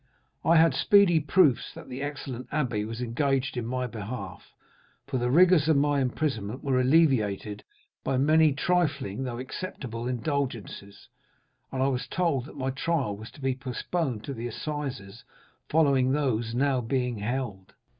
"I had speedy proofs that the excellent abbé was engaged in my behalf, for the rigors of my imprisonment were alleviated by many trifling though acceptable indulgences, and I was told that my trial was to be postponed to the assizes following those now being held.